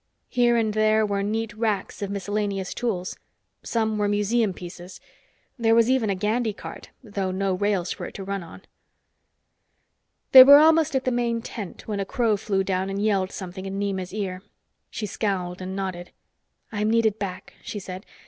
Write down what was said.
Here and there were neat racks of miscellaneous tools. Some were museum pieces. There was even a gandy cart, though no rails for it to run on. They were almost at the main tent when a crow flew down and yelled something in Nema's ear. She scowled, and nodded. "I'm needed back," she said.